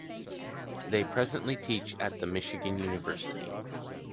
They presently teach at the Michigan University.